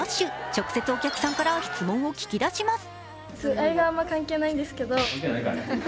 直接お客さんから質問を聞き出します。